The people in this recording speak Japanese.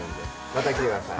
また来てください。